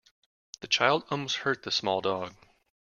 The child almost hurt the small dog.